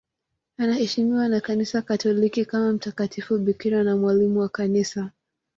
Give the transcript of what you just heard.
Anaheshimiwa na Kanisa Katoliki kama mtakatifu bikira na mwalimu wa Kanisa.